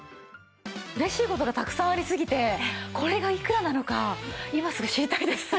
嬉しい事がたくさんありすぎてこれがいくらなのか今すぐ知りたいです。